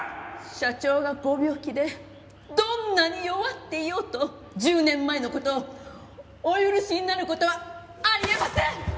社長がご病気でどんなに弱っていようと１０年前の事をお許しになる事はあり得ません！